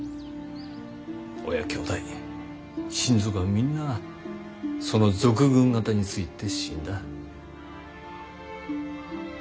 親兄弟親族はみんなその賊軍方について死んだ。